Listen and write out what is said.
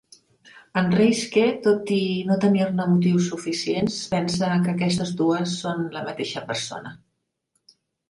En Reiske, tot i no tenir-ne motius suficients, pensa que aquestes dues són la mateixa persona.